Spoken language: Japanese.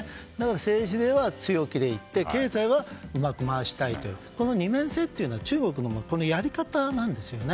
政治では強気で行って経済はうまく回したいという２面性は中国のやり方なんですよね。